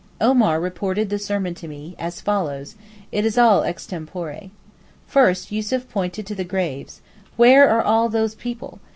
Omar reported the sermon to me, as follows (it is all extempore): First Yussuf pointed to the graves, 'Where are all those people?